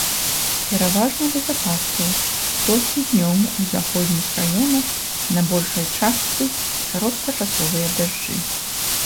Пераважна без ападкаў, толькі днём у заходніх раёнах на большай частцы кароткачасовыя дажджы.